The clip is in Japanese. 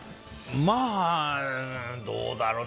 まあ、どうだろうね。